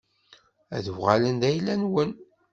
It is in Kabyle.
Ad uɣalen d ayla-nwen.